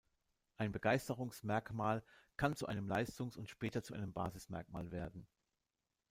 Ein Begeisterungs-Merkmal kann zu einem Leistungs- und später zu einem Basis-Merkmal werden.